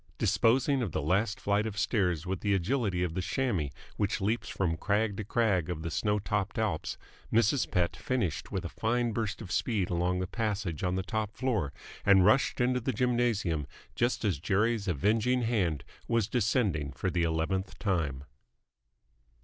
Disposing of the last flight of stairs with the agility of the chamois which leaps from crag to crag of the snow topped Alps, Mrs. Pett finished with a fine burst of speed along the passage on the top floor, and rushed into the gymnasium just as Jerry's avenging hand was descending for the eleventh time.